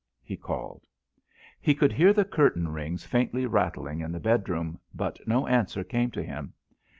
he called. He could hear the curtain rings faintly rattling in the bedroom, but no answer came to him.